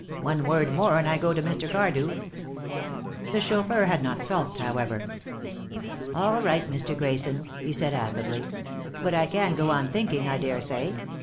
One word more and I go to Mr. Cardew." The chauffeur had not sulked, however. "All right, Mr. Grayson," he said affably. "But I can go on thinking, I daresay.